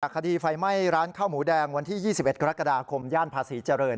คดีไฟไหม้ร้านข้าวหมูแดงวันที่๒๑กรกฎาคมย่านภาษีเจริญ